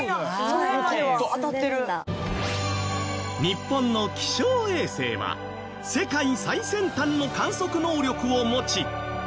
日本の気象衛星は世界最先端の観測能力を持ち。